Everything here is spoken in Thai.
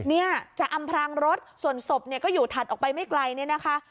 เนี่ยจะอำพรางรถส่วนศพเนี่ยก็อยู่ถัดออกไปไม่ไกลเนี่ยนะคะ